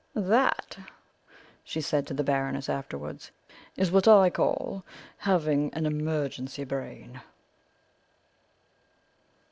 "That," she said to the Baroness afterwards "is what I call having an emergency brain."